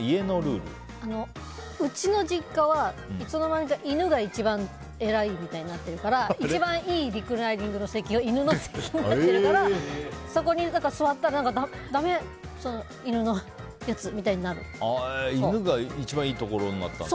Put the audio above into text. うちの実家は、いつの間にか犬が一番偉いみたいになってるから一番いいリクライニングの席が犬の席になってるからそこに座ったら犬が一番いいところになったんだ。